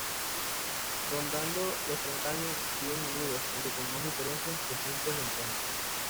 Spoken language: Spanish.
Rondando los treinta años siguen unidos, aunque con más diferencias que puntos de encuentro.